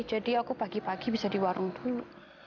jadi aku pagi pagi bisa di warung dulu